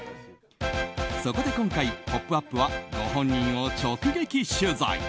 そこで今回「ポップＵＰ！」はご本人を直撃取材。